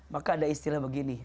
maka ada istilah begini